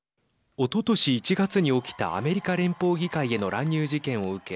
おととし１月に起きたアメリカ連邦議会への乱入事件を受け